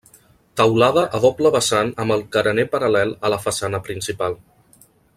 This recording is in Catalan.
Teulada a doble vessant amb el carener paral·lel a la façana principal.